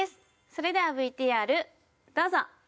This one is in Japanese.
それではＶＴＲどうぞ！